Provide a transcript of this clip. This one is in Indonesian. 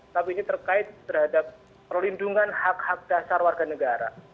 tapi ini terkait terhadap perlindungan hak hak dasar warga negara